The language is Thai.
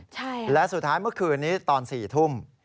ใช่และสุดท้ายเมื่อคืนนี้ตอน๔ทุ่ม